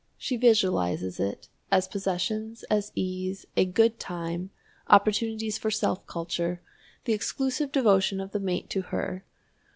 She visualizes it, as possessions, as ease, a "good time," opportunities for self culture, the exclusive devotion of the mate to her.